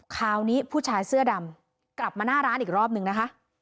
คราวนี้ผู้ชายเสื้อดำกลับมาหน้าร้านอีกรอบนึงนะคะ